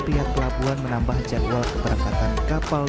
pihak pelabuhan menambah jadwal keberangkatan kapal